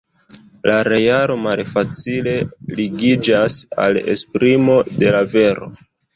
La realo malfacile ligiĝas al esprimo de la vero.